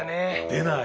出ない。